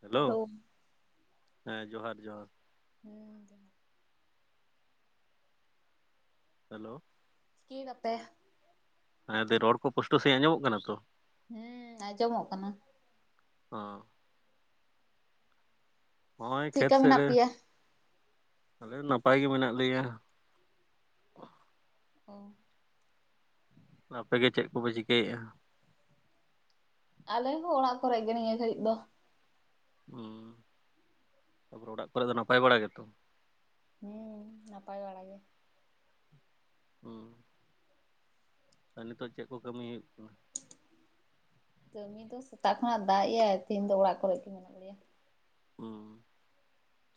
Hello ᱦᱮᱸ ᱡᱚᱦᱟᱨ ᱡᱚᱦᱟᱨ ᱦᱩᱸ ᱦᱮᱞᱳ ᱥᱤᱭ ᱫᱟᱯᱮ ᱦᱮᱸ ᱨᱚᱲ ᱠᱚ ᱯᱳᱥᱴᱚ ᱥᱟᱫᱤᱡ ᱟᱸᱡᱚᱢᱚᱜ ᱠᱟᱱᱟ ᱛᱚ ᱦᱮᱸ ᱟᱸᱡᱚᱢᱚᱜ ᱠᱟᱱᱟ ᱦᱸ ᱱᱚᱜᱼᱚᱭ ᱠᱷᱮᱛ ᱪᱮᱫᱠᱟ ᱥᱮᱫ ᱢᱮᱱᱟᱜ ᱨᱮ ᱯᱮᱭᱟ ᱟᱞᱮ ᱱᱟᱯᱟᱭ ᱜᱮ ᱢᱮᱱᱟᱜ ᱞᱮᱭᱟ ᱚ ᱟᱯᱮᱜᱮ ᱪᱮᱫ ᱠᱚᱯᱮ ᱪᱤᱠᱟᱹᱭᱮᱫᱼᱟ ᱟᱞᱮ ᱦᱚᱸ ᱚᱲᱟᱜ ᱠᱚᱨᱮ ᱜᱮ ᱱᱤᱭᱟ ᱜᱷᱟᱹᱲᱤᱡ ᱫᱚ ᱦᱸ ᱛᱟᱯᱚᱨᱮ ᱚᱲᱟᱜ ᱠᱚᱨᱮ ᱫᱚ ᱱᱟᱯᱟᱭ ᱵᱟᱲᱟ ᱜᱮᱛᱚ ᱦᱮᱸ ᱱᱟᱯᱟᱭ ᱵᱟᱲᱟ ᱜᱮ ᱦᱩᱸ ᱟᱨ ᱱᱤᱛᱚᱜ ᱪᱮᱫ ᱠᱚ ᱠᱟᱹᱢᱤ ᱦᱩᱭᱩᱜ ᱠᱟᱱᱟ ᱠᱟᱹᱢᱤ ᱫᱚ ᱥᱮᱛᱟᱜ ᱠᱷᱚᱱᱟᱜ ᱫᱟᱜ ᱮᱟᱭᱟᱭ ᱛᱮᱦᱮᱱ ᱫᱚ ᱚᱲᱟᱜ ᱠᱚᱨᱮ ᱜᱮ ᱢᱮᱱᱟᱜ ᱞᱮᱭᱟ ᱦᱩᱸ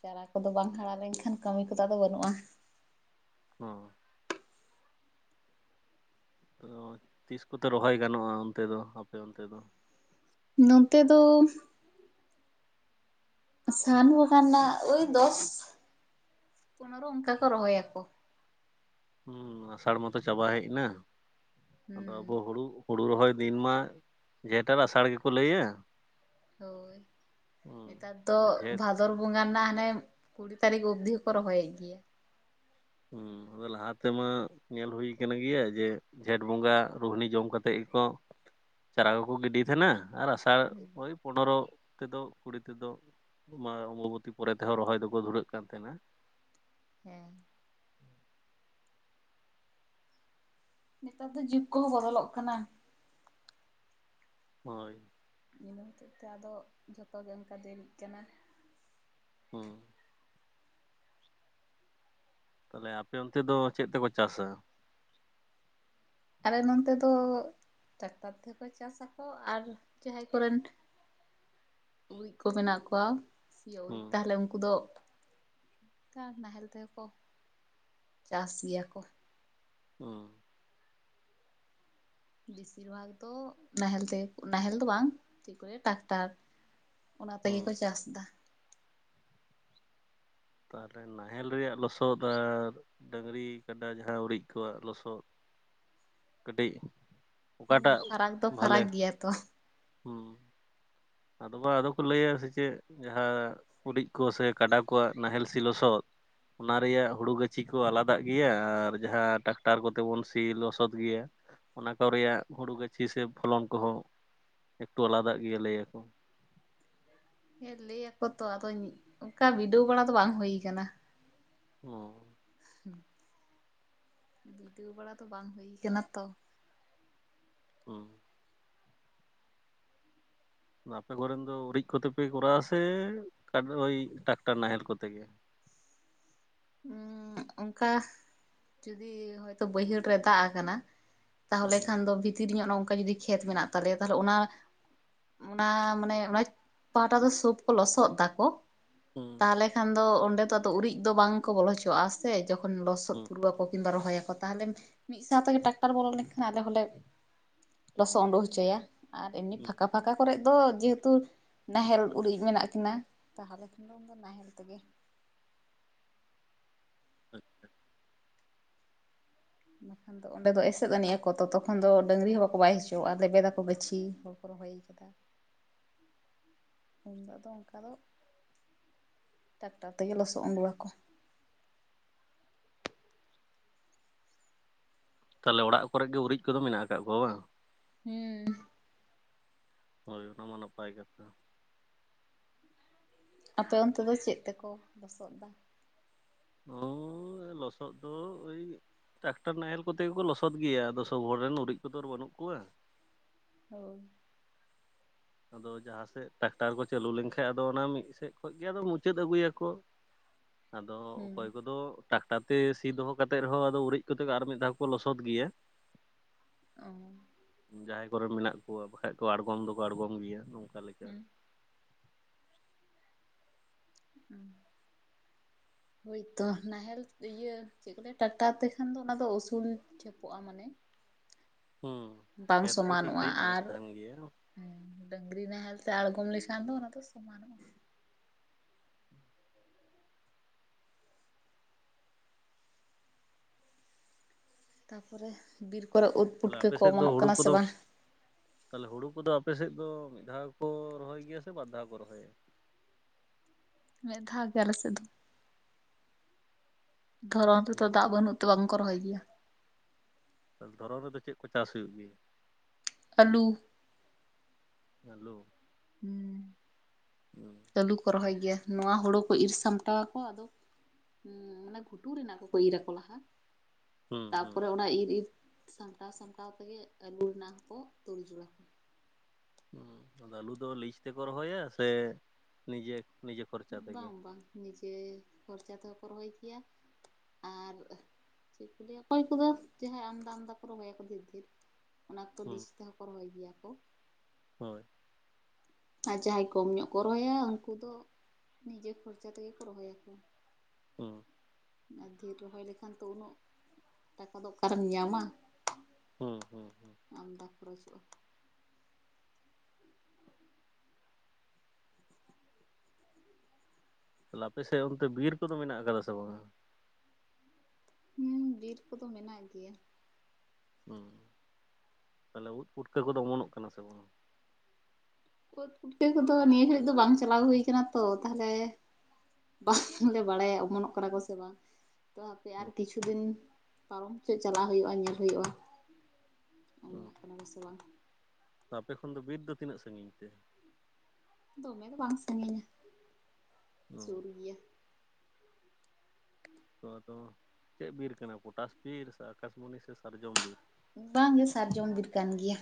ᱪᱟᱨᱟ ᱠᱚᱫᱚ ᱵᱟᱝ ᱦᱟᱨᱟ ᱞᱮᱱᱠᱷᱟᱱ ᱠᱟᱹᱢᱤ ᱠᱚᱫᱚ ᱟᱫᱚ ᱵᱟᱹᱱᱩᱜᱼᱟ ᱦᱩᱸ ᱛᱤᱥ ᱠᱚᱛᱮ ᱨᱚᱦᱚᱭ ᱜᱟᱱᱚᱜᱼᱟ ᱚᱱᱛᱮ ᱫᱚ ᱟᱯᱮ ᱚᱱᱛᱮ ᱫᱚ ᱱᱚᱱᱛᱮ ᱫᱚ ᱥᱟᱱ ᱵᱚᱸᱜᱟ ᱨᱮᱱᱟᱜ ᱳᱭ ᱫᱚᱥ ᱯᱚᱱᱮᱨᱚ ᱚᱱᱠᱟ ᱠᱚ ᱨᱚᱦᱚᱭᱟᱠᱚ ᱦᱩᱸ ᱟᱥᱟᱲ ᱢᱟᱛᱚ ᱪᱟᱵᱟ ᱦᱮᱡ ᱮᱱᱟ ᱟᱫᱚ ᱦᱩᱸ ᱟᱵᱚ ᱦᱩᱲᱩ ᱦᱩᱲᱩ ᱨᱚᱦᱚᱭ ᱫᱤᱱ ᱢᱟ ᱡᱷᱮᱴ ᱟᱨ ᱟᱥᱟᱲ ᱜᱮᱠᱚ ᱞᱟᱹᱭᱟ ᱦᱳᱭ ᱦᱩᱸ ᱱᱮᱛᱟᱨ ᱫᱚ ᱡᱷᱮᱸᱴ ᱵᱷᱟ ᱵᱷᱟᱫᱚᱨ ᱵᱚᱸᱜᱟ ᱨᱮᱱᱟᱜ ᱦᱟᱱᱮ ᱠᱩᱲᱤ ᱛᱟᱹᱨᱤᱠᱷ ᱚᱵᱽᱫᱤ ᱦᱚᱠᱚ ᱨᱚᱦᱚᱭᱮᱫ ᱜᱮᱭᱟ ᱦᱮᱸ ᱞᱟᱦᱟ ᱛᱮᱢᱟ ᱧᱮᱞ ᱦᱩᱭᱩ ᱠᱟᱱ ᱜᱮᱭᱟ ᱡᱮ ᱡᱷᱮᱸᱴ ᱵᱚᱸᱜᱟ ᱨᱩᱦᱱᱤ ᱡᱚᱢ ᱠᱟᱛᱮ ᱮᱫ ᱜᱮᱠᱚ ᱪᱟᱨᱟ ᱠᱚᱠᱚ ᱜᱤᱰᱤ ᱛᱟᱦᱮᱱᱟ ᱟᱨ ᱟᱥ ᱟᱨ ᱳᱭ ᱦᱮᱸ ᱯᱚᱱᱮᱨᱚ ᱛᱮᱫᱚ ᱠᱩᱲᱤ ᱛᱮᱫᱚ ᱢᱟ ᱚᱢᱵᱚᱵᱚᱛᱤ ᱯᱚᱨᱮ ᱛᱮᱦᱚᱸ ᱨᱚᱦᱚᱭ ᱫᱚᱠᱚ ᱫᱷᱩᱨᱟᱹᱜ ᱠᱟᱱ ᱛᱟᱦᱮᱱᱟ ᱦᱮᱸ ᱱᱮᱛᱟᱨ ᱫᱚ ᱡᱩᱜᱽ ᱠᱚᱦᱚᱸ ᱵᱚᱫᱚᱞᱚᱜ ᱠᱟᱱᱟ ᱦᱳᱭ ᱤᱱᱟᱹ ᱦᱚᱛᱮᱫᱛᱮ ᱟᱫᱚ ᱡᱷᱚᱛᱚᱜᱮ ᱚᱱᱠᱟ ᱫᱮᱨᱤᱜ ᱠᱟᱱᱟ ᱦᱩᱸ ᱛᱟᱦᱚᱞᱮ ᱟᱯᱮ ᱚᱱᱛᱮ ᱫᱚ ᱪᱮᱫ ᱛᱮᱠᱚ ᱪᱟᱥᱟ ᱟᱞᱮ ᱱᱚᱱᱛᱮ ᱫᱚ ᱴᱨᱟᱠᱴᱟᱨ ᱛᱮᱦᱚᱸ ᱠᱚ ᱪᱟᱥᱟ ᱟᱨ ᱡᱟᱦᱟᱸᱭ ᱠᱚᱨᱮᱱ ᱜᱩᱨᱤᱡ ᱠᱚ ᱢᱮᱱᱟᱜ ᱠᱚᱣᱟ ᱤᱭᱟᱹᱣᱨᱤᱡ ᱦᱩᱸ ᱛᱟᱦᱚᱞᱮ ᱩᱱᱠᱩ ᱫᱚ ᱠᱟᱴ ᱱᱟᱦᱮᱞ ᱛᱮᱦᱠᱚ ᱪᱟᱥ ᱜᱮᱭᱟ ᱠᱚ ᱚᱸ ᱵᱮᱥᱤᱨ ᱵᱷᱟᱜᱽ ᱫᱚ ᱱᱟᱦᱮᱞ ᱛᱮ ᱱᱟᱦᱮᱞ ᱫᱚ ᱵᱟᱝ ᱪᱮᱫ ᱠᱚ ᱞᱮᱭᱟ ᱴᱨᱟᱠᱴᱟᱨ ᱚᱱᱟ ᱛᱮᱜᱮ ᱦᱩᱸ ᱠᱚ ᱪᱟᱥᱼᱫᱟ ᱛᱟᱦᱚᱞᱮ ᱱᱟᱦᱮᱞ ᱨᱮᱭᱟᱜ ᱞᱚᱥᱚᱫ ᱟᱨ ᱰᱟᱹᱝᱨᱤ ᱠᱟᱰᱟ ᱡᱟᱦᱟᱸ ᱩᱨᱤᱡ ᱠᱚᱣᱟᱜ ᱞᱚᱥᱚᱫ ᱠᱟᱹᱴᱤᱡ ᱦᱩᱸ ᱚᱠᱟᱴᱟᱜ ᱯᱷᱟᱨᱟᱠ ᱫᱚ ᱵᱷᱟᱞᱮ ᱯᱷᱟᱨᱟᱠ ᱜᱮᱭᱟ ᱛᱚ ᱦᱩᱸ ᱟᱫᱚ ᱵᱟ ᱟᱫᱚ ᱠᱚ ᱞᱟᱹᱭᱟ ᱥᱮ ᱪᱮᱫ ᱡᱟᱦᱟᱸ ᱩᱨᱤᱡ ᱠᱚ ᱥᱮ ᱠᱟᱰᱟ ᱠᱚᱣᱟᱜ ᱱᱟᱦᱮᱞ ᱥᱤ ᱞᱚᱥᱚᱫ ᱚᱱᱟ ᱨᱮᱭᱟᱜ ᱦᱩᱲᱩ ᱜᱟᱹᱪᱷᱤ ᱠᱚ ᱟᱞᱟᱫᱟᱜ ᱜᱮᱭᱟ ᱟᱨ ᱡᱟᱦᱟᱸ ᱴᱨᱟᱠᱴᱟᱨ ᱠᱚᱛᱮ ᱵᱚᱱ ᱥᱤ ᱞᱚᱥᱚᱫ ᱜᱮᱭᱟ ᱚᱱᱟ ᱠᱚ ᱨᱮᱭᱟᱜ ᱦᱩᱲᱩ ᱜᱟᱹᱪᱷᱤ ᱥᱮ ᱯᱷᱚᱞᱚᱱ ᱠᱚᱦᱚᱸ ᱮᱠᱴᱩ ᱟᱞᱟᱫᱟᱜ ᱜᱮᱭᱟ ᱞᱟᱹᱭᱟ ᱠᱩ ᱚ [unintelligible] ᱦᱮᱸ ᱞᱟᱹᱭ ᱟᱠᱚ ᱛᱚ ᱟᱫᱚ ᱚᱱᱠᱟ ᱵᱤᱰᱟᱹᱣ ᱵᱟᱲᱟ ᱫᱚ ᱵᱟᱝ ᱦᱩᱭ ᱟᱠᱟᱱᱟ ᱦᱮᱸ ᱵᱤᱰᱟᱹᱶ ᱵᱟᱲᱟ ᱫᱚ ᱵᱟᱝ ᱦᱩᱭ ᱠᱟᱱᱟ ᱛᱚ ᱦᱩᱸ ᱟᱯᱮ ᱠᱚᱨᱮᱱ ᱫᱚ ᱩᱨᱤᱡ ᱠᱚᱛᱮ ᱯᱮ ᱠᱚᱨᱟᱣᱟ ᱥᱮ ᱳᱭ ᱴᱟᱠᱴᱟᱨ ᱱᱟᱦᱮᱞ ᱠᱚᱛᱮ ᱜᱮ ᱚᱱᱠᱟ ᱡᱩᱫᱤ ᱦᱚᱭᱛᱳ ᱵᱟᱹᱭᱦᱟᱹᱲ ᱨᱮ ᱫᱟᱜ ᱟᱠᱟᱱᱟ ᱛᱟᱦᱚᱞᱮ ᱦᱩᱸ ᱠᱷᱟᱱ ᱫᱚ ᱵᱷᱤᱛᱤᱨ ᱧᱚᱜ ᱝᱠᱟ ᱡᱚᱫᱤ ᱠᱷᱮᱛ ᱢᱮᱱᱟᱜ ᱛᱟᱞᱮᱭᱟ ᱛᱟᱦᱚᱞᱮ ᱚᱱᱟ ᱚᱱᱟ ᱢᱟᱱᱮ ᱚᱱᱟ ᱯᱟᱦᱴᱟ ᱫᱚ ᱥᱩᱵ ᱠᱚ ᱞᱚᱥᱚᱫ ᱫᱟᱠᱚ ᱦᱩᱸ ᱛᱟᱦᱚᱞᱮ ᱠᱷᱟᱱ ᱫᱚ ᱚᱸᱰᱮ ᱫᱚ ᱟᱫᱚ ᱩᱨᱤᱡ ᱫᱚ ᱵᱟᱝ ᱠᱚ ᱵᱚᱞᱚ ᱦᱚᱪᱚᱼᱟ ᱥᱮ ᱡᱚᱠᱷᱚᱱ ᱞᱚᱥᱚᱫ ᱦᱩᱸ ᱯᱩᱨᱩᱜ ᱟᱠᱚ ᱠᱤᱱᱵᱟ ᱨᱚᱦᱚᱭ ᱟᱠᱚ ᱛᱟᱦᱚᱞᱮ ᱢᱤᱫ ᱥᱟᱶ ᱛᱮᱜᱮ ᱴᱟᱠᱴᱟᱨ ᱵᱚᱞᱚ ᱞᱮᱱᱠᱷᱟᱱ ᱟᱞᱮ ᱦᱚᱸᱞᱮ [inaudible] ᱞᱚᱥᱚᱫ ᱩᱰᱩᱠ ᱦᱚᱪᱚᱭᱟ ᱟᱨ ᱮᱢᱱᱤ ᱦᱩᱸ ᱯᱷᱟᱠᱟ ᱯᱷᱟᱠᱟ ᱠᱚᱨᱮ ᱫᱚ ᱡᱮᱦᱮᱛᱩ ᱱᱟᱦᱮᱞ ᱩᱨᱤᱡ ᱢᱮᱱᱟᱜ ᱠᱤᱱᱟ ᱛᱟᱦᱚᱞᱮ ᱠᱷᱟᱱ ᱫᱚ ᱩᱱ ᱫᱚ ᱱᱟᱦᱮᱞ ᱛᱮᱜᱮ [inaudible] ᱵᱟᱠᱷᱟᱱ ᱫᱚ ᱚᱸᱰᱮ ᱫᱚ ᱮᱥᱮᱫ ᱟᱹᱱᱤᱡ ᱟᱠᱚ ᱛᱚ ᱛᱚᱠᱷᱚᱱ ᱫᱚ ᱰᱟᱹᱝᱨᱤ ᱦᱚᱸ ᱵᱟᱠᱚ ᱵᱟᱭ ᱦᱚᱪᱚᱣᱟᱜᱼᱟ ᱞᱮᱵᱮᱫᱟᱠᱚ ᱜᱟᱹᱪᱷᱤ ᱨᱚᱦᱚᱭ ᱠᱟᱫᱟ [unintelligible] ᱩᱱᱫᱚ ᱫᱚ ᱟᱫᱚ ᱚᱱᱠᱟ ᱫᱚ ᱴᱮᱠᱴᱟᱨ ᱛᱮᱜᱮ ᱞᱚᱥᱚᱫ [unintelligible] ᱟᱹᱜᱞᱟᱠᱚ ᱛᱟᱦᱚᱞᱮ ᱚᱲᱟᱜ ᱠᱚᱨᱮᱜ ᱜᱮ ᱜᱩᱨᱤᱡ ᱠᱚᱫᱚ ᱢᱮᱱᱟᱜ ᱟᱠᱟᱫ ᱠᱚᱣᱟ ᱵᱟᱝ [unintelligible] ᱦᱳᱭ ᱚᱱᱟ ᱢᱟ ᱱᱟᱯᱟᱭ ᱠᱟᱛᱷᱟ ᱟᱯᱮ ᱚᱱᱛᱮ ᱫᱚ ᱪᱮᱫ ᱛᱮᱠᱚ [unintelligible] ᱱᱚ ᱞᱚᱥᱚᱫ ᱫᱚ ᱳᱭ ᱴᱨᱟᱠᱴᱟᱨ ᱱᱟᱦᱮᱞ ᱠᱚᱛᱮ ᱜᱮᱠᱚ ᱞᱚᱥᱚᱫ ᱜᱮᱭᱟ ᱟᱫᱚ ᱥᱚᱵ ᱦᱚᱲ ᱨᱮᱱ ᱩᱨᱤᱡ ᱠᱚᱫᱚ ᱟᱨ ᱵᱟᱹᱱᱩᱜ ᱠᱚᱣᱟ ᱦᱳ ᱟᱫᱚ ᱡᱟᱦᱟᱸ ᱥᱮᱫ ᱴᱨᱟᱠᱴᱟᱨ ᱠᱚ ᱪᱟᱹᱞᱩ ᱞᱮᱱᱠᱟᱱᱡ ᱟᱫᱚ ᱚᱱᱟ ᱢᱤᱫ ᱥᱮᱫ ᱠᱷᱚᱱ ᱜᱮ ᱟᱫᱚ ᱢᱩᱪᱟᱹᱫ ᱟᱹᱜᱩᱭᱟᱠᱚ ᱟᱫᱚ ᱦᱩᱸ ᱚᱠᱚᱭ ᱠᱚᱫᱚ ᱴᱟᱠᱴᱟᱨ ᱛᱮ ᱥᱤ ᱫᱚᱦᱚ ᱠᱟ ᱠᱟᱛ ᱮᱫ ᱨᱮᱦᱚᱸ ᱟᱫᱚ ᱩᱨᱤᱡ ᱠᱟᱛᱮ ᱟᱨ ᱢᱤᱫ ᱫᱷᱟᱣ ᱠᱚ ᱞᱚᱥᱚᱫ ᱜᱮᱭᱟ [inaudible] ᱡᱟᱦᱟᱸᱭ ᱠᱚᱨᱮ ᱢᱮᱱᱟᱜ ᱠᱚᱣᱟ ᱵᱟᱠᱷᱟᱡ ᱫᱚ ᱟᱬᱜᱚᱢ ᱫᱚᱠᱚ ᱟᱲᱜᱚᱢ ᱜᱮᱭᱟ ᱱᱚᱝᱠᱟ ᱞᱮᱠᱟ ᱦᱩᱸ [inaudible] ᱦᱳᱭᱛᱚ ᱱᱟᱦᱮᱞ ᱤᱭᱟᱹ ᱪᱮᱫ ᱠᱚ ᱞᱟᱹᱭᱟ ᱴᱟᱠᱴᱟᱨ ᱛᱮ ᱠᱷᱟᱱ ᱫᱚ ᱚᱱᱟᱫᱚ ᱩᱥᱩᱞ [inaudible] ᱦᱩᱸ ᱠᱷᱮᱛ ᱠᱚ ᱴᱷᱤᱠ ᱴᱤᱡ ᱵᱟᱝ ᱛᱟᱦᱮᱱ ᱜᱮᱭᱟ ᱦᱮᱸ ᱰᱟᱝᱨᱤ ᱱᱟ ᱦᱮᱞ ᱛᱮ ᱟᱲᱜᱚᱢ ᱠᱷᱟᱱᱫ ᱥᱚᱢᱟᱱᱜᱼᱟ ᱛᱟᱯᱚᱨᱮ ᱵᱤᱨ ᱠᱚᱨᱮ ᱩᱫ ᱛᱟᱦᱚᱞᱮ ᱯᱩᱴᱠᱟᱹ ᱟᱯᱮ ᱠᱚ ᱥᱮᱫ ᱫᱚ ᱚᱢᱚᱱᱚᱜ ᱦᱩᱲᱩ ᱠᱟᱱᱟ ᱥᱮ ᱠᱚᱫᱚ ᱵᱟᱝ? ᱛᱟᱦᱚᱞᱮ ᱦᱩᱲᱩ ᱠᱚᱫᱚ ᱟᱯᱮᱥᱮᱫ ᱫᱚ ᱢᱤᱫ ᱫᱷᱟᱣ ᱠᱚ ᱨᱚᱦᱚᱭ ᱜᱮᱭᱟ ᱥᱮ ᱵᱟᱨ ᱫᱷᱟᱣ ᱠᱚ ᱨᱚᱦᱚᱭᱟ ᱢᱤᱫ ᱫᱷᱟᱣ ᱜᱮ ᱟᱞᱮ ᱥᱮᱡ ᱫᱚ ᱫᱷᱚᱨᱚᱱ ᱨᱮᱫᱚ ᱚ ᱫᱟᱜ ᱵᱟᱹᱱᱩᱜ ᱛᱮ ᱵᱟᱝᱠᱚ ᱨᱚᱦᱚᱭ ᱜᱮᱭᱟ ᱫᱷᱚᱨᱚᱢ ᱨᱮᱫᱚ ᱪᱮᱫ ᱠᱚ ᱪᱟᱥ ᱦᱩᱭᱩᱜ ᱜᱮᱭᱟ? ᱟᱹᱞᱩ [inaudible] ᱦᱩᱸ [inaudible] ᱟᱹᱞᱩ ᱠᱚ ᱨᱚᱦᱚᱭ ᱜᱮᱭᱟ ᱱᱚᱣᱟ ᱦᱩᱲᱩ ᱠᱚ ᱤᱨ ᱥᱟᱢᱴᱟᱣ ᱟᱠᱚ ᱟᱫᱚ ᱢᱟᱱᱮ ᱜᱷᱩᱴᱩ ᱨᱮᱱᱟᱜ ᱠᱚᱠᱚ ᱤᱨ ᱟᱠᱚ ᱞᱟᱦᱟᱸᱟ ᱦᱩᱸ ᱦᱩᱸ ᱛᱟᱯᱚᱨᱮ ᱚᱱᱟ ᱤᱨ ᱤᱨ ᱥᱟᱢᱴᱟᱣ ᱥᱟᱢᱴᱟᱣ ᱛᱮᱜᱮ ᱟᱹᱞᱩ ᱨᱮᱱᱟᱜ ᱦᱚᱸᱠᱚ ᱛᱩᱞ ᱡᱳᱲᱟ ᱠᱚ ᱟᱫᱚ ᱟᱹᱞᱩ ᱫᱚ ᱞᱤᱡ ᱛᱮᱠᱚ ᱨᱚᱦᱚᱭᱟ ᱥᱮ ᱱᱤᱡᱮ ᱱᱤᱡᱮ ᱠᱷᱚᱨᱪᱟ ᱛᱮᱜᱮ ᱵᱟᱝ ᱵᱟᱝ ᱱᱤᱡᱮ ᱠᱷᱚᱨᱪᱟ ᱛᱮᱦᱚᱸ ᱠᱚ ᱨᱚᱦᱚᱭ ᱜᱮᱭᱟ ᱟᱨ ᱪᱮᱫ ᱠᱚ ᱞᱟᱹᱭᱟ ᱚᱠᱚᱭ ᱠᱚᱫᱚ ᱡᱟᱦᱟᱸᱭ ᱟᱢᱫᱟ ᱟᱢᱫᱟ ᱠᱚ ᱨᱚᱦᱚᱭ [inaudible] ᱚᱱᱟᱠ ᱛᱚ ᱦᱩᱸ ᱞᱤᱪ ᱛᱮᱦᱚᱸ ᱠᱚ ᱨᱚᱦᱚᱭ ᱜᱮᱭᱟ ᱠᱚ ᱦᱳᱭ ᱟᱨ ᱡᱟᱦᱟᱸᱭ ᱠᱚᱢ ᱧᱚᱜ ᱠᱚ ᱨᱚᱦᱚᱭᱟ ᱩᱱᱠᱩ ᱫᱚ ᱱᱤᱡᱮ ᱠᱷᱚᱨᱪᱟ ᱛᱮᱜᱮ ᱠᱚ ᱨᱚᱦᱚᱭᱟ ᱠᱚ [unintelligible] ᱟᱨ ᱰᱷᱮᱨ ᱨᱚᱦᱚᱭ ᱞᱮᱠᱷᱟᱱ ᱛᱚ ᱩᱱᱟᱹᱜ ᱴᱟᱠᱟ ᱫᱚ ᱚᱠᱟᱨᱮᱢ ᱧᱟᱢᱟ ᱦᱩᱸ ᱦᱩᱸ ᱦᱩᱸ ᱟᱢᱫᱟ ᱠᱷᱚᱨᱚᱪᱚᱜᱼᱟ ᱛᱟᱦᱞᱮ ᱟᱯᱮ ᱥᱮᱫ ᱚᱱᱛᱮ ᱵᱤᱨ ᱠᱚᱫᱚ ᱢᱮᱱᱟᱜ ᱟᱠᱟᱫᱟ ᱥᱮ ᱵᱟᱝᱼᱟ? ᱦᱩᱸ ᱵᱤᱨ ᱠᱚᱫᱚ ᱢᱮᱱᱟᱜ ᱜᱮᱭᱟ ᱦᱩ ᱛᱟᱦᱚᱞᱮ ᱩᱫ ᱯᱩᱴᱠᱟᱹ ᱠᱚᱫᱚ ᱚᱢᱚᱱᱚᱜ ᱠᱟᱱᱟ ᱥᱮ ᱵᱟᱝ ᱩᱫᱽ ᱯᱩᱴᱠᱟᱹ ᱠᱚᱫᱚ ᱱᱤᱭᱟᱹ ᱜᱷᱟᱹᱲᱤᱡ ᱫᱚ ᱵᱟᱝ ᱪᱟᱞᱟᱣ ᱦᱩᱭ ᱟᱠᱟᱱᱟ ᱛᱚ ᱛᱟᱦᱚᱞᱮ ᱵᱟᱝᱞᱮ ᱵᱟᱲᱟᱭᱟ ᱚᱢᱚᱱᱚᱜ ᱠᱟᱱᱟ ᱠᱚ ᱥᱮ ᱵᱟᱝ ᱛᱚ ᱦᱟᱯᱮ ᱟᱨ ᱠᱤᱪᱷᱩ ᱫᱤᱱ ᱯᱟᱨᱚᱢ ᱪᱩᱡ ᱪᱟᱞᱟᱜ ᱦᱩᱭᱩᱜᱼᱟ ᱧᱮᱞ ᱦᱩᱭᱩᱜᱼᱟ ᱦᱩᱸ ᱚᱱᱟ ᱫᱚᱥᱮ ᱵᱟᱝ ᱟᱯᱮ ᱠᱷᱚᱱ ᱫᱚ ᱵᱤᱨ ᱫᱚ ᱛᱤᱱᱟᱹᱜ ᱥᱟᱺᱜᱤᱧ ᱛᱮ ᱫᱚᱢᱮ ᱫᱚ ᱵᱟᱝ ᱥᱟ. ᱸᱜᱤᱧᱟ ᱦᱩᱸ ᱥᱩᱨ ᱜᱮᱭᱟ ᱛᱚ ᱟᱫᱚ ᱪᱮᱫ ᱵᱤᱨ ᱠᱟᱱᱟ ᱯᱚᱴᱟᱥ ᱵᱤᱨ ᱥᱮ ᱟᱠᱟᱥᱢᱚᱱᱤ ᱥᱮ ᱥᱟᱨᱡᱚᱢ ᱵᱤᱨ ᱵᱟᱝ ᱜᱮ ᱥᱟᱨᱡᱚᱢ ᱵᱤᱨ ᱠᱟᱱ ᱜᱮᱭᱟ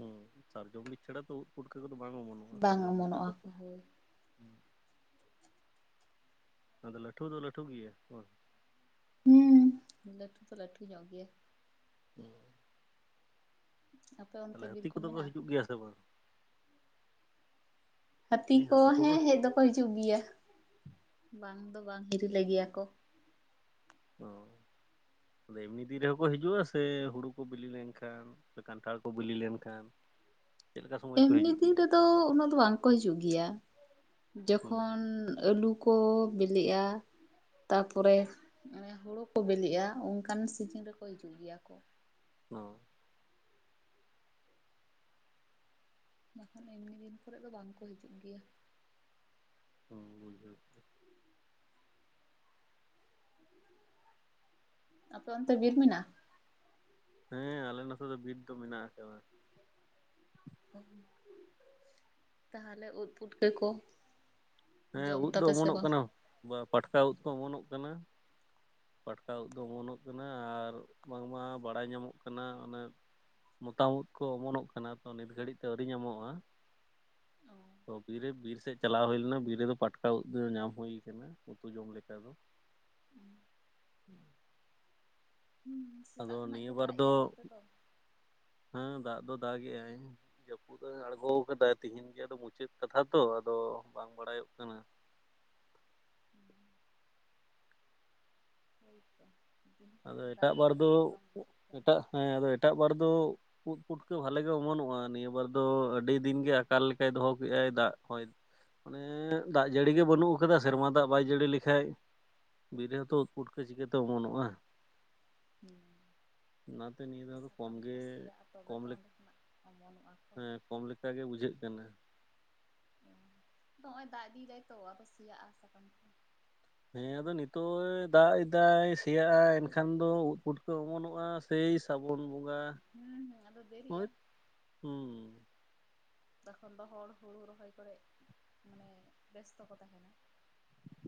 ᱦᱮᱸ ᱥᱟᱨᱡᱚᱢ ᱵᱤ ᱪᱷᱟᱲᱟ ᱛᱚ ᱩᱫ ᱯᱩᱴᱠᱟᱹ ᱠᱚᱫᱚ ᱵᱟᱝ ᱚᱢᱚᱱᱚᱜᱼᱟ ᱵᱟᱝ ᱥᱟᱨᱡᱚᱢ [inaudible] ᱚᱢᱚᱱᱚᱜᱼᱟ ᱠᱚ ᱦᱳᱭ ᱞᱟᱹᱴᱷᱩ ᱫᱚ ᱞᱟᱹᱴᱩ ᱜᱮᱭᱟ ᱵᱟᱝ ᱦᱩᱸ ᱞᱟᱴᱩ ᱫᱚ ᱞᱟᱴᱩ ᱧᱚᱜ ᱜᱮᱭᱟ [unintelligible] ᱟᱯᱮ ᱚᱱᱛᱮ ᱛᱟᱦᱚᱞᱮ ᱵᱤᱨ ᱦᱟᱹᱛᱤ ᱠᱚᱫᱚ ᱠᱚ ᱢᱮᱱᱟᱜᱼᱟ ᱦᱤᱡᱩᱜ ᱜᱮᱭᱟ ᱥᱮ ᱵᱟᱝ ᱦᱟᱹᱛᱤ ᱢᱟᱱᱮ ᱠᱚ ᱠᱚᱠᱚ ᱦᱮᱸ ᱦᱮᱡ ᱫᱚᱠᱚ ᱦᱤᱡᱩᱜ ᱜᱮᱭᱟ ᱵᱟᱝ ᱫᱚ ᱵᱟᱝ ᱦᱤᱨᱤ ᱞᱮ ᱜᱮᱭᱟ ᱠᱚ ᱚ ᱟᱫᱚ ᱮᱢᱱᱤ ᱫᱤᱱ ᱨᱮᱦᱚᱸ ᱠᱚ ᱦᱤᱡᱩᱜᱼᱟ ᱥᱮ ᱦᱩᱲᱩ ᱠᱚ ᱵᱤᱞᱤ ᱞᱮᱱᱠᱷᱟᱱ ᱠᱟᱱᱴᱷᱟᱲ ᱠᱚ ᱵᱤᱞᱤ ᱞᱮᱱᱠᱷᱟᱱ ᱪᱮᱫ ᱞᱮᱠᱟ ᱥᱚᱢᱚᱭ ᱨᱮᱠᱚ ᱮᱢᱱᱤ ᱦᱤᱡᱩᱜ ᱫᱤᱱ ᱜᱮᱭᱟ ᱨᱮᱫᱚ ᱩᱱᱟᱹᱜ ᱫᱚ ᱵᱟᱝ ᱠᱚ ᱦᱤᱡᱩᱜ ᱜᱮᱭᱟ ᱦᱩᱸ ᱡᱚᱠᱷᱚᱱ ᱟᱹᱞᱩ ᱠᱚ ᱵᱤᱞᱤᱜᱼᱟ ᱛᱟᱨᱯᱚᱨᱮ ᱚᱱᱮ ᱦᱳᱲᱳ ᱠᱚ ᱵᱤᱞᱤᱜᱼᱟ ᱚᱱᱠᱟᱱ ᱥᱤᱡᱤᱱ ᱨᱮᱠᱚ ᱦᱤᱡᱩᱜ ᱜᱮᱭᱟ ᱠᱚ ᱚ ᱵᱟᱠᱷᱟᱱ ᱮᱢᱱᱤ ᱫᱤᱱ ᱠᱚᱨᱮ ᱫᱚ ᱵᱟᱝ ᱠᱚ ᱦᱤᱡᱩᱜ ᱜᱮᱭᱟ ᱚ ᱵᱩᱡᱟᱹᱣ ᱟᱯᱮ ᱚᱱᱛᱮ ᱵᱤᱨ ᱢᱮᱱᱟᱜᱼᱟ ᱦᱮᱸ ᱟᱞᱮ ᱱᱚᱛᱮ ᱫᱚ ᱵᱤᱨ ᱫᱚ ᱢᱮᱱᱟᱜ ᱟᱠᱟᱫᱟ ᱛᱟᱦᱚᱞᱮ ᱩᱫᱽ ᱯᱩᱴᱠᱟ. ᱠᱚ ᱦᱮᱸ ᱡᱚᱢ ᱩᱫ ᱫᱚ ᱫᱟᱯᱮ ᱥᱮ ᱚᱢᱚᱱᱚᱜ ᱵᱟᱝ ᱠᱟᱱᱟ ᱵᱟ ᱯᱟᱴᱠᱟ ᱩᱫ ᱠᱚ ᱚᱢᱚᱱᱚᱜ ᱠᱟᱱᱟ ᱯᱟᱴᱠᱟ ᱩᱫ ᱫᱚ ᱚᱢᱚᱱᱚᱜ ᱠᱟᱱᱟ ᱟᱨ ᱵᱟᱝᱢᱟ ᱵᱟᱲᱟᱭ ᱧᱟᱢᱚᱜ ᱠᱟᱱᱟ ᱚᱱᱮ ᱢᱚᱛᱟᱢ ᱩᱫᱽ ᱠᱚ ᱚᱢᱚᱱᱚᱜ ᱠᱟᱱᱟ ᱛᱚ ᱱᱤᱛ ᱜᱷᱟᱹᱲᱤᱡ ᱛᱮ ᱟᱹᱣᱨᱤ ᱧᱟᱢᱚᱜᱼᱟ ᱚ ᱛᱚ ᱵᱤᱨ ᱨᱮ ᱵᱤᱨ ᱥᱮᱫ ᱪᱟᱞᱟᱣ ᱦᱩᱭ ᱞᱮᱱᱟ ᱵᱤᱨ ᱨᱮᱫᱚ ᱯᱟᱴᱠᱟ ᱩᱫ ᱫᱚ ᱧᱟᱢ ᱦᱩᱭ ᱟᱠᱟᱱᱟ ᱩᱛᱩ ᱡᱚᱢ ᱞᱮᱠᱟ ᱫᱚ [unintelligible] ᱦᱩ ᱟᱫᱚ ᱥᱮᱛᱟᱜ ᱠᱷᱚᱱᱟᱜ ᱱᱤᱭᱟᱹ ᱜᱮ ᱵᱟᱨ ᱫᱟᱜ ᱮᱼᱟ ᱱᱚᱱᱛᱮ ᱫᱚ ᱦᱮᱸ ᱫᱟᱜ ᱫᱚ ᱫᱟᱜ ᱮᱼᱟᱭ ᱡᱟᱹᱯᱩᱫ ᱮ ᱟᱬᱜᱚ ᱟᱠᱟᱫᱟ ᱛᱤᱦᱤᱧ ᱜᱮ ᱢᱩᱪᱟᱹᱫ ᱠᱟᱛᱷᱟ ᱛᱚ ᱟᱫᱚ ᱵᱟᱝ ᱵᱟᱲᱟᱭᱚᱜ ᱠᱟᱱᱟ [unintelligible] ᱠᱷᱚᱡ ᱟᱫᱚ ᱜᱮ ᱫᱟᱜ ᱮᱴᱟᱜ ᱫᱟᱜ ᱵᱟᱨ ᱟᱫᱚ ᱫᱚ ᱵᱷᱟᱜᱤ ᱵᱟᱝ ᱵᱩᱡᱷᱟᱹᱜ ᱠᱟᱱᱟ ᱮᱴᱟᱜ ᱦᱮᱸ ᱟᱫᱚ ᱮᱴᱟᱜ ᱵᱟᱨ ᱫᱚ ᱩᱫ ᱯᱩᱴᱟᱠᱟ. ᱵᱷᱟᱮᱜᱮ ᱜᱮ ᱚᱢᱚᱱᱚᱜᱼᱟ ᱱᱤᱭᱟᱹ ᱵᱟᱨ ᱫᱚ ᱟᱹᱰᱤ ᱫᱤᱱ ᱜᱮ ᱟᱠᱟᱞ ᱞᱮᱠᱟᱭ ᱫᱚᱦᱚ ᱠᱮᱫ ᱟᱭ ᱫᱟᱜ ᱦᱚᱭ ᱢᱟᱱᱮ ᱫᱟᱜ ᱡᱟᱹᱲᱤ ᱜᱮ ᱵᱟᱹᱱᱩᱜ ᱟᱠᱟᱫᱟ ᱥᱮᱨᱢᱟ ᱫᱟᱜ ᱵᱟᱭ ᱡᱟᱹᱲᱤ ᱞᱮᱠᱷᱟᱡ ᱵᱤᱨ ᱦᱚᱸᱛᱚ ᱩᱫ ᱯᱩᱴᱠᱟᱹ ᱪᱤᱠᱟᱹᱛᱮ ᱚᱢᱚᱱᱚᱜᱼᱟ ᱦᱮᱸ [inaudible] ᱚᱱᱟᱛᱮ ᱱᱤᱭᱟᱹ ᱫᱷᱟᱣ [unintelligible] ᱠᱚᱢ ᱥᱟᱠᱟᱢ ᱠᱚ ᱜᱮ ᱥᱤᱭᱟᱼᱟ ᱛᱚᱵᱮ ᱠᱚᱢ ᱛᱚ ᱞᱮᱠ ᱚᱸᱰᱮ ᱠᱷᱚᱱᱟᱜ ᱚᱢᱚᱱᱚᱜᱼᱟᱚ ᱦᱮᱸ ᱠᱚᱢ ᱞᱮᱠᱟ ᱜᱮ ᱵᱩᱡᱷᱟᱹᱜ ᱠᱟᱱᱟ ᱱᱚᱜ ᱚ ᱚᱭ ᱫᱟᱜ ᱤᱫᱤᱭᱮᱫᱟᱭ ᱛᱚ ᱟᱫᱚ ᱥᱮᱭᱟᱜᱼᱟ ᱥᱟᱠᱟᱢ ᱠᱚ ᱦᱮᱸ ᱟᱫᱚ ᱱᱤᱛᱚᱜ ᱫᱟᱜ ᱮᱫᱟᱭ ᱥᱮᱭᱟᱜᱼᱟ ᱮᱱᱠᱷᱟᱱ ᱫᱚ ᱩᱫ ᱯᱩᱴᱠᱟᱹ ᱚᱢᱚᱱᱚᱜᱼᱟ ᱥᱮᱭ ᱥᱟᱨᱟᱵᱚᱱ ᱵᱚᱸᱜᱟ ᱦᱩᱸ ᱦᱩᱸ ᱟᱫᱚ ᱦᱚ ᱫᱮᱨᱤᱜᱼᱟ ᱛᱚᱠᱷᱚᱱ ᱫᱚ ᱦᱚᱲ ᱦᱩᱲᱩ ᱨᱚᱦᱚᱭ ᱠᱚᱨᱮ ᱢᱟᱱᱮ ᱵᱮᱥᱛᱚ ᱠᱚ ᱛᱟᱦᱮᱱᱟ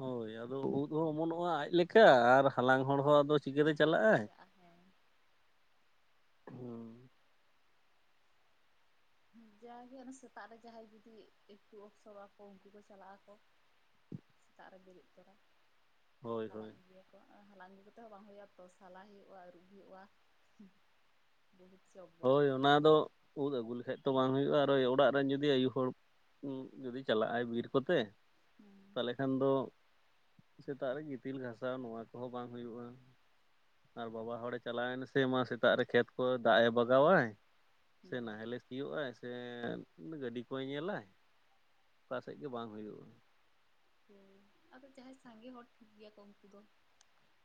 ᱦᱳᱭ ᱟᱫᱚ ᱩᱫ ᱦᱚᱸ ᱚᱢᱚᱱᱚᱜᱼᱟ ᱟᱡ ᱞᱮᱠᱟ ᱟᱨ ᱦᱟᱞᱟᱝ ᱦᱚᱲ ᱦᱚᱸ ᱟᱫᱚ ᱪᱤᱠᱟᱹᱛᱮ ᱵᱟᱝ ᱪᱟᱞᱟᱜ ᱠᱚ ᱟᱭ ᱪᱟᱜᱼᱟ ᱦᱮᱸ ᱦᱩᱸ ᱡᱟᱜᱮ ᱥᱮᱛᱟᱜ ᱨᱮ ᱡᱟᱦᱟᱸᱭ ᱡᱩᱫᱤ ᱮᱠᱴᱩ ᱚᱯᱥᱚᱨᱚᱜᱼᱟ ᱠᱚ ᱩᱱᱠᱩ ᱠᱚ ᱪᱟᱞᱟᱜ ᱟᱠᱚ ᱥᱮᱛᱟᱜ ᱨᱮ ᱵᱮᱨᱮᱫ ᱛᱚᱨᱟ ᱦᱳᱭ ᱦᱳᱭ ᱪᱟᱞᱟᱜ ᱜᱮᱭᱟᱹᱠᱚ [unintelligible] ᱦᱟᱞᱟᱝ ᱟᱹᱜᱩ ᱠᱟᱛᱮ ᱦᱚᱸ ᱵᱟᱝ ᱦᱩᱭᱩᱜᱼᱟ ᱛᱚ ᱥᱟᱞᱟᱭ ᱦᱩᱭᱩᱜᱼᱟ ᱟᱹᱨᱩᱵ ᱦᱩᱭᱩᱜᱼᱟ᱾ ᱵᱚᱦᱩᱛ [unintelligible] ᱦᱳᱭ ᱚᱱᱟ ᱫᱚ ᱩᱫ ᱟᱹᱜᱩ ᱞᱮᱠᱷᱟᱡ ᱛᱚ ᱵᱟᱝ ᱦᱩᱭᱩᱜᱼᱟ ᱟᱨ ᱚᱲᱟᱜ ᱨᱮᱱ ᱡᱩᱫᱤ ᱟᱭᱩ ᱦᱚᱲ ᱡᱩᱫᱤ ᱪᱟᱞᱟᱜᱼ ᱟᱭ ᱵᱤᱨ ᱠᱚᱛᱮ ᱦᱩᱸ ᱛᱟᱦᱚᱞᱮ ᱠᱷᱟᱱ ᱫᱚ ᱥᱮᱛᱟᱜ ᱨᱮ ᱜᱤᱛᱤᱞ ᱜᱷᱟᱥᱟᱣ ᱱᱚᱣᱟ ᱠᱚᱦᱚᱸ ᱵᱟᱝ ᱦᱩᱭᱩᱜᱼᱟ᱾ ᱟᱨ ᱵᱟᱵᱟ ᱦᱚᱲᱮ ᱪᱟᱞᱟᱣᱱᱟ ᱥᱮ ᱢᱟ ᱥᱮᱛᱟᱜ ᱨᱮ ᱠᱷᱮᱛ ᱠᱚ ᱫᱟᱜ ᱮ ᱵᱟᱜ ᱞᱟᱜᱟᱣᱟᱭ ᱥᱮ ᱱᱟᱦᱮᱞᱮ ᱦᱩᱸ ᱥᱤᱭᱳᱜᱼᱟ ᱥᱮ ᱜᱟᱹᱰᱤ ᱠᱚᱭ ᱧᱮᱞᱟ ᱚᱠᱟ ᱥᱮᱫ ᱜᱮ ᱵᱟᱝ ᱦᱩᱭᱩᱜᱼᱟ ᱟᱫᱚ ᱡᱟᱦᱟᱸᱭ ᱥᱟᱸᱜᱮ ᱦᱚᱲ ᱴᱷᱤᱠ ᱜᱮᱭᱟ ᱠᱚ ᱩᱱᱠᱩ ᱫᱚ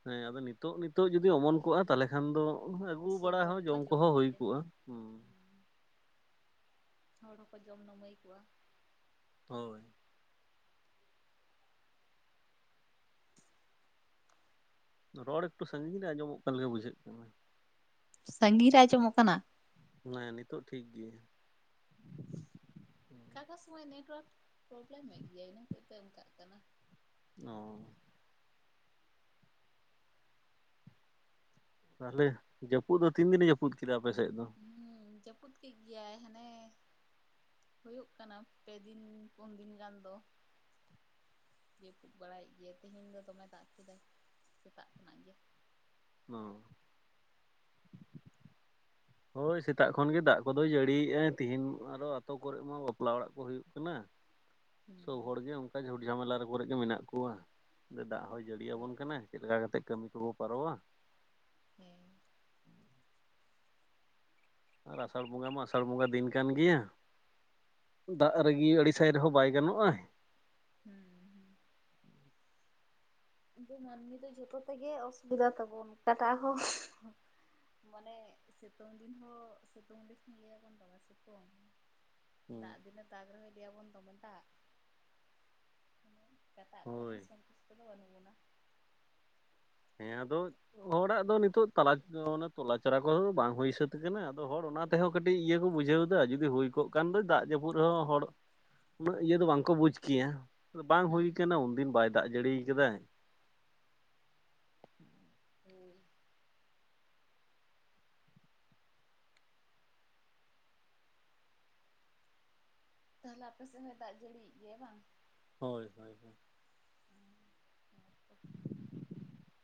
ᱦᱮᱸ ᱟᱫᱚ ᱱᱤᱛᱚᱜ ᱱᱤᱛᱚᱜ ᱡᱩᱫᱤ ᱚᱢᱚᱱ ᱠᱚᱜᱼᱟ ᱛᱟᱦᱚᱞᱮ ᱠᱷᱟᱱ ᱫᱚ ᱟᱹᱜᱩ ᱥᱚᱵ ᱵᱟᱲᱟ ᱦᱚᱲ ᱦᱚᱸ ᱜᱮᱠᱚ ᱡᱚᱢ ᱠᱚᱦᱚᱸ ᱦᱩᱭ ᱠᱮᱭᱟ ᱠᱚᱜᱼᱟ ᱦᱚ ᱦᱚᱲ ᱦᱚᱸᱠᱚ ᱡᱚᱢ ᱱᱟᱹᱢᱟ. ᱭ ᱠᱚᱜ ᱟ ᱦᱳᱭ ᱨᱚᱲ ᱮᱠᱴᱩ ᱥᱟᱺᱜᱤᱧ ᱨᱮ ᱟᱸᱚᱢᱚᱜ ᱠᱟᱱ ᱞᱮᱠᱟ ᱵᱩᱡᱷᱟᱹᱜ ᱠᱟᱱᱟ ᱥᱟ. ᱜᱤᱧ ᱨᱮ ᱟᱡᱚᱢᱚ ᱠᱟᱱᱟ ᱦᱮᱸ ᱱᱤᱛᱚᱜ ᱴᱷᱤᱠ ᱜᱮ ᱚᱠᱟ ᱥᱚᱢᱚᱭ ᱱᱮᱴᱚᱣᱟᱨᱠ ᱯᱨᱚᱵᱞᱮᱢᱮᱫ ᱜᱮᱭᱟ ᱤᱱᱟᱹ ᱠᱚ ᱫᱚ ᱚᱱᱠᱟᱜ ᱠᱟᱱᱟ ᱚᱼ ᱛᱟᱦᱚᱞᱮ ᱡᱟᱹᱯᱩᱫ ᱫᱚ ᱛᱤᱱ ᱫᱤᱱᱮ ᱡᱟᱹᱯᱩᱫ ᱠᱮᱫᱟ ᱟᱯᱮᱥᱮᱫ ᱫᱚ ᱦᱩᱸ ᱡᱟᱹᱯᱩᱫ ᱠᱮᱫ ᱜᱮᱭᱟᱭ ᱦᱟᱱᱮ ᱦᱩᱭᱩᱜ ᱠᱟᱱᱟ ᱯᱮ ᱫᱤᱱ ᱯᱩᱱ ᱫᱤᱱ ᱜᱟᱱ ᱫᱚ ᱡᱟᱹᱯᱩᱫ ᱵᱟᱲᱟᱭᱮᱫ ᱜᱮᱭᱟ ᱛᱮᱦᱤᱧ ᱫᱚ ᱫᱚᱢᱮ ᱫᱟᱜ ᱠᱮᱫᱟᱭ ᱥᱮᱛᱟᱜ ᱠᱷᱚᱱᱟᱜ ᱜᱮ ᱦᱚ ᱦᱳᱭ ᱥᱮᱛᱟᱜ ᱠᱷᱚᱱ ᱜᱮ ᱫᱟᱜ ᱠᱚᱫᱚᱭ ᱡᱟᱹᱲᱤᱭᱮ ᱟᱭ ᱛᱤᱦᱤᱧ ᱟᱨᱚ ᱟᱹᱛᱩ ᱠᱚᱨᱮ ᱢᱟ ᱵᱟᱯᱞᱟ ᱚᱲᱟᱜ ᱠᱚ ᱦᱩᱭᱩᱜ ᱠᱟᱱᱟ᱾ ᱦᱩᱸ ᱥᱚᱵ ᱦᱚᱲᱜᱮ ᱚᱱᱠᱟ ᱡᱷᱩᱲ ᱡᱷᱟᱢᱮᱞᱟ ᱠᱚᱨᱮ ᱜᱮ ᱢᱮᱱᱟᱜ ᱠᱚᱣᱟ ᱱᱚᱛᱮ ᱫᱟᱜ ᱦᱚᱸᱭ ᱡᱟᱹᱲᱤᱭᱟᱵᱚᱱ ᱠᱟᱱᱟ, ᱦᱳᱭᱛᱚ ᱪᱮᱫ ᱞᱮᱠᱟ ᱠᱟᱛᱮᱜ ᱠᱟᱹᱢᱤ ᱠᱚᱵᱚ ᱯᱟᱨᱟᱢᱼᱟ? ᱦᱮᱸ ᱟᱨ ᱟᱥᱟᱲ ᱵᱚᱸᱜᱟ ᱢᱟ ᱟᱥᱟᱲ ᱵᱚᱸᱜᱟ ᱫᱤᱱ ᱠᱟᱱ ᱜᱮᱭᱟ᱾ ᱫᱟᱜ ᱨᱟᱹᱜᱤ ᱟᱹᱲᱤᱥᱟᱭ ᱨᱮᱦᱚᱸ ᱵᱟᱭ ᱜᱟᱱᱚᱜᱼᱟ ᱦᱮᱸ ᱦᱮᱸ ᱢᱟᱹᱱᱢᱤ ᱫᱚ ᱡᱚᱛᱚ ᱛᱮᱜᱮ ᱚᱥᱩᱵᱤᱫᱟ ᱛᱟᱵᱚᱱ ᱚᱠᱟᱴᱟᱜ ᱦᱚᱸ ᱢᱟᱱᱮ ᱥᱤᱛᱩᱝ ᱫᱤᱱ ᱦᱚᱸ ᱥᱤᱛᱩᱝ ᱫᱤᱱ ᱞᱟᱹᱭᱟᱵᱚᱱ ᱵᱟᱵᱟ ᱫᱚ ᱢᱮ ᱥᱤᱛᱩᱝ [inaudible] ᱦᱩᱸ ᱫᱟᱜ ᱫᱤᱱ ᱮᱼᱼ ᱫᱟᱜ ᱨᱚᱦᱚ ᱞᱟᱭᱟ ᱵᱚᱱ ᱫᱚᱢ ᱫᱟᱜ ᱚᱠᱟᱴᱟᱜ ᱦᱳᱭ ᱛᱮᱦᱚᱸ ᱥᱚᱱᱛᱩᱩᱥᱴᱚ ᱫᱚ ᱵᱟᱹᱱᱩᱜ ᱼᱼ ᱵᱚᱱᱟ ᱦᱮᱸ ᱟᱫᱚ ᱦᱚᱲᱟᱜ ᱫᱚ ᱱᱤᱛᱚᱜ ᱛᱟᱞᱟ ᱛᱚᱞᱟ ᱪᱟᱨᱟ ᱠᱚ ᱵᱟᱝ ᱦᱩᱭ ᱥᱟᱹᱛ ᱟᱠᱟᱱᱟ ᱟᱫᱚ ᱦᱚᱲ ᱚᱱᱟ ᱛᱮᱦᱚᱸ ᱠᱟᱹᱴᱤᱡ ᱤᱭᱟᱹ ᱠᱚ ᱵᱩᱡᱷᱟᱹᱣ ᱮᱟ ᱡᱩᱫᱤ ᱦᱩᱭ ᱠᱚᱜ ᱠᱷᱟᱱ ᱫᱚ ᱫᱟᱜ ᱡᱟᱹᱯᱩᱫ ᱨᱮᱦᱚᱸ ᱦᱚᱲ ᱩᱱᱟᱹᱜ ᱤᱭᱟᱹ ᱫᱚ ᱵᱟᱝᱠᱚ ᱵᱩᱡᱽ ᱠᱮᱭᱟ ᱵᱟᱝ ᱦᱩᱭ ᱦᱩᱸ᱾ ᱠᱟᱱᱟ ᱩᱱᱫᱤᱱ ᱵᱟᱭ ᱫᱟᱜ ᱡᱟᱹᱲᱤᱭᱟ ᱠᱟᱫᱟᱭ [inaudible] ᱛᱟᱦᱚᱞᱮ ᱟᱯᱮ ᱥᱮᱫ ᱦᱚᱸ ᱫᱟᱜ ᱡᱟᱹᱲᱤᱭᱮᱫ ᱜᱮᱭᱟ ᱵᱟᱝ? ᱦᱳᱭ ᱦᱳᱭ ᱦᱳᱭ ᱦᱮᱸ ᱛᱚ [inaudible]